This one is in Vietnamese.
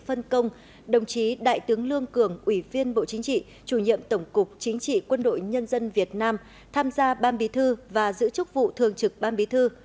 phân công đồng chí đại tướng lương cường ủy viên bộ chính trị chủ nhiệm tổng cục chính trị quân đội nhân dân việt nam tham gia ban bí thư và giữ chức vụ thường trực ban bí thư